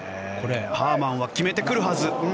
ハーマンは決めてくるはず。